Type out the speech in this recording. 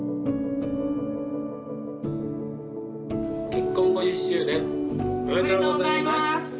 結婚５０周年おめでとうございます！